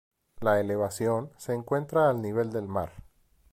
La elevación se encuentra al nivel del mar.